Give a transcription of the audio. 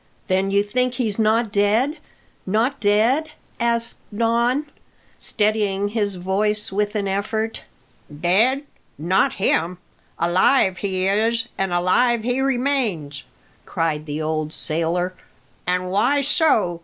"Then you think he's not not dead?" asked Don, steadying his voice with an effort. "Dead? Not him! Alive he is, and alive he remains," cried the old sailor. "An' why so?